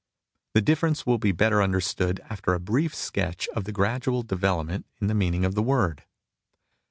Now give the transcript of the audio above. The difference will be better understood after a brief sketch of the gradual development in the meaning of the word.